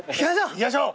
いきましょう。